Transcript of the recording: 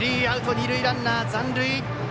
二塁ランナー、残塁。